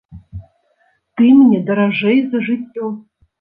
Ты мне даражэй за жыццё.